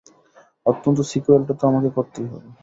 অন্তত সিক্যুয়েলটা তো আমাকেই করতে হবে।